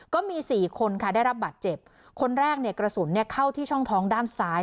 ก็มีสี่คนค่ะได้รับบาดเจ็บคนแรกเนี่ยกระสุนเข้าที่ช่องท้องด้านซ้าย